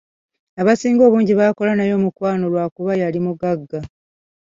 Abasinga obungi baakola naye omukwano lwa kuba yali mugagga.